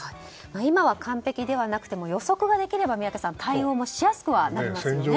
今は完璧ではなくても予測ができれば宮家さん、対応もしやすくはなりますよね。